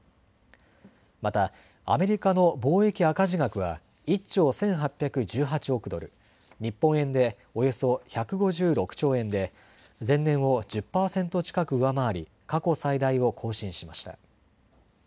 またアメリカの貿易赤字額は１兆１８１８億ドル、日本円でおよそ１５６兆円で前年を１０％近く上回り過去最大を更新しました。